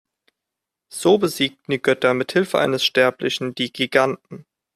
So besiegten die Götter mit Hilfe eines Sterblichen die Giganten.